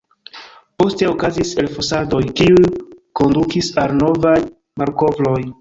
Poste okazis elfosadoj, kiuj kondukis al novaj malkovroj.